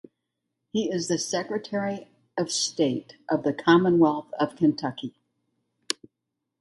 He is the secretary of state of the Commonwealth of Kentucky.